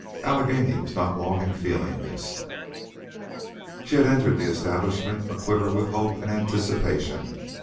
Allegheny was not long in feeling this. She had entered the establishment aquiver with hope and anticipation.